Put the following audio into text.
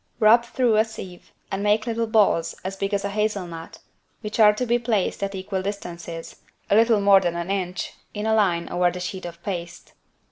Rub through a sieve and make little balls as big as a hazel nut, which are to be placed at equal distances (a little more than an inch) in a line over the sheet of paste.